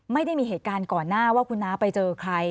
ไม่ได้มีเหตุการณ์ก่อนหน้าว่าคุณน้าไปเจอใคร